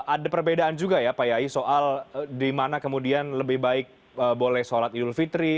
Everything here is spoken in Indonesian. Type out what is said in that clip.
ada perbedaan juga ya pak yai soal di mana kemudian lebih baik boleh sholat idul fitri